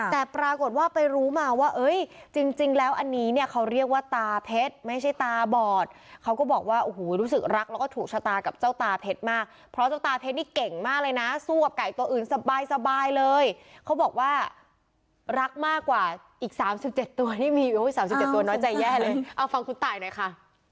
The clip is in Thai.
แต่ปรากฏว่าไปรู้มาว่าเอ้ยจริงแล้วอันนี้เนี่ยเขาเรียกว่าตาเพชรไม่ใช่ตาบอดเขาก็บอกว่าโอ้โหรู้สึกรักแล้วก็ถูกชะตากับเจ้าตาเพชรมากเพราะเจ้าตาเพชรนี่เก่งมากเลยนะสู้กับไก่ตัวอื่นสบายเลยเขาบอกว่ารักมากกว่าอีก๓๗ตัวนี่มี๓๗ตัวน้อยใจแย่เลยเอาฟังคุณตายหน่อยค่ะ